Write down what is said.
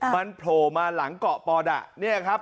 มันโผล่มาหลังเกาะปอดะเนี่ยครับ